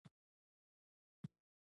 دوه بجې بس ته وختو.